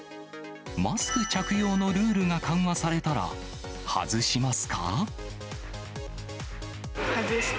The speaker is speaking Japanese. マスク着用のルールが緩和されたら、外しますか？